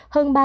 hơn ba ca